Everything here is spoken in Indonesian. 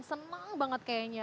seneng banget kayaknya